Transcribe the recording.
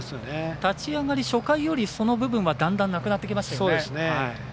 立ち上がり初回より、その部分はだんだんなくなってきましたよね。